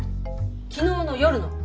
昨日の夜の。